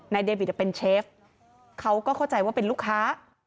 เดวิทเป็นเชฟเขาก็เข้าใจว่าเป็นลูกค้า